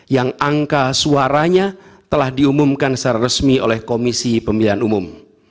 yang angka suaranya telah diumumkan secara resmi oleh komisi pemilihan umum